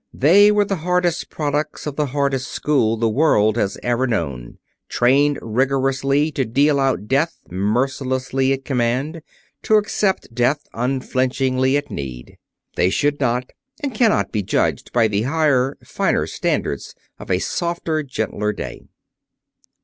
They were the hardest products of the hardest school the world has ever known: trained rigorously to deal out death mercilessly at command; to accept death unflinchingly at need. They should not and can not be judged by the higher, finer standards of a softer, gentler day.